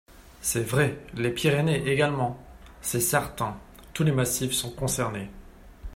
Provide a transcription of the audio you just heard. C’est vrai ! Les Pyrénées également ! C’est certain : tous les massifs sont concernés.